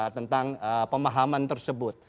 tentang pemahaman tersebut